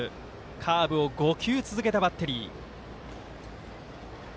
カーブを５球続けたバッテリー。